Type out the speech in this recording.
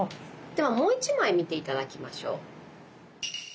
ではもう一枚見て頂きましょう。